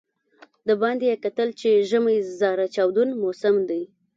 د باندې یې کتل چې ژمی زاره چاودون موسم دی.